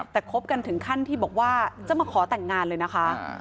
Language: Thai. แต่คบกันถึงขั้นที่บอกว่าจะมาขอแต่งงานเลยนะคะ